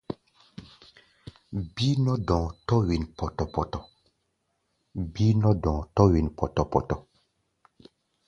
Bíí nɔ́ dɔ̧ɔ̧, tɔ̧́ wen pɔtɔ-pɔtɔ.